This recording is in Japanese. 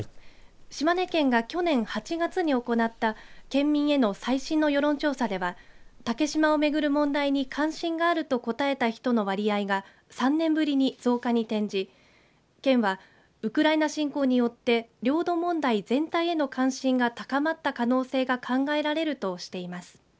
島根県が去年８月に行った県民への最新の世論調査では竹島を巡る問題に関心があると答えた人の割合が３年ぶりに増加に転じ県はウクライナ侵攻によって領土問題全体への関心が高まった可能性があると考えられるとしています。